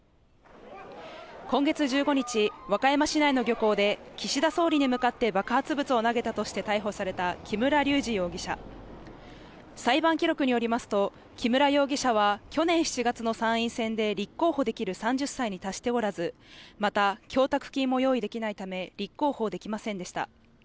今月１５日、和歌山市内の漁港で岸田総理に向かって爆発物を投げたとして逮捕された木村隆二容疑者裁判記録によりますと、木村容疑者は、去年７月の参院選で立候補できる３０歳に達しておらず、また、供託金も用意できないため、立候補できませんでした。